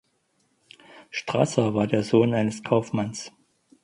Strasser war der Sohn eines Kaufmanns.